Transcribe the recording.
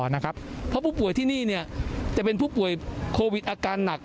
เพราะผู้ป่วยที่นี่จะเป็นผู้ป่วยโควิดอาการหนัก